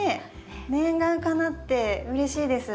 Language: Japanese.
念願かなってうれしいです。